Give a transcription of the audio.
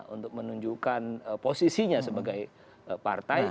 untuk menunjukkan posisinya sebagai partai